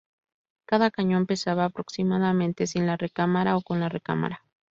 Cada cañón pesaba aproximadamente sin la recámara o con la recámara.